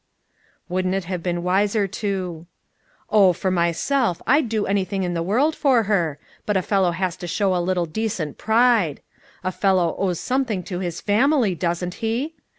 "Wouldn't it have been wiser to ?" "Oh, for myself, I'd do anything in the world for her. But a fellow has to show a little decent pride. A fellow owes something to his family, doesn't he?